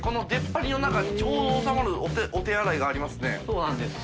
そうなんです。